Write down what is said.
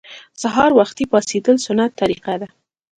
سهار وختي پاڅیدل سنت طریقه ده